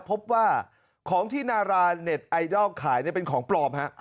พบว่าของที่นาราเน็ตไอดอลขายเป็นของปลอมฮะ